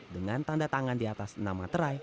dengan tanda tangan di atas nama terai